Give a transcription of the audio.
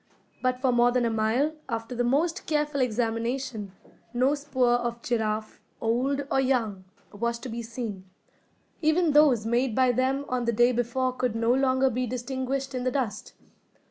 But for more than a mile, after the most careful examination, no spoor of giraffe, old or young, was to be seen. Even those made by them on the day before could no longer be distinguished in the dust.